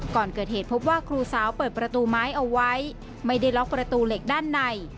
ก่อนเกิดเหตุพบว่าครูสาวเปิดประตูไม้เอาไว้ไม่ได้ล็อกประตูเหล็กด้านใน